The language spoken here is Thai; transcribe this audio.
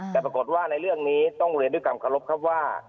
แต่ปรากฏว่าในเรื่องนี้ต้องเรียนด้วยความเคารพครับว่า